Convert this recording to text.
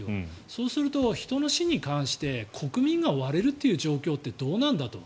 そうすると人の死に関して国民が割れるという状況ってどうなんだと。